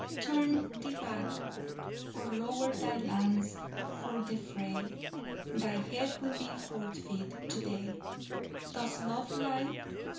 turn thee back! Or lower thy lance for the fray; Thy head will be forfeit to day! Dost love life?